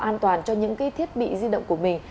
an toàn cho những cái thiết bị di động của mình